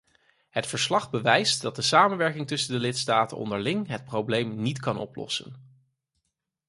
Het verslag bewijst dat samenwerking tussen de lidstaten onderling het probleem niet kan oplossen.